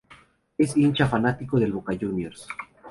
Es hincha fanático de Boca Juniors.